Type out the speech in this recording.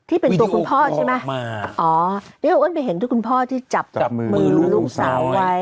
ที่เป็นตัวคุณพ่อใช่ไหมอ๋อนี่คุณอ้นไปเห็นทุกคุณพ่อที่จับมือลูกสาวไว้